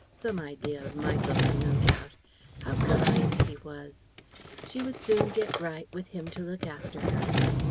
Some idea of Michael's no doubt. How kind he was! She would soon get right, with him to look after her.